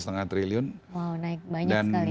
wow naik banyak sekali ya